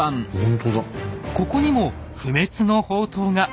ここにも不滅の法灯が。